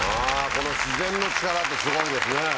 この自然の力ってすごいですね。